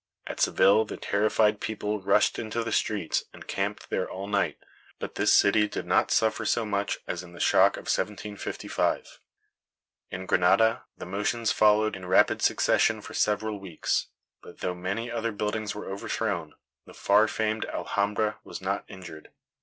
At Seville the terrified people rushed into the streets and camped there all night; but this city did not suffer so much as in the shock of 1755. In Granada the motions followed in rapid succession for several weeks; but though many other buildings were overthrown, the far famed Alhambra was not injured.